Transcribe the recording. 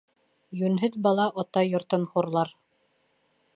Йүнһеҙ бала ата йортон хурлар.